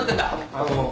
あの。